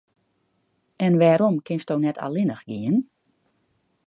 En wêrom kinsto net allinnich gean?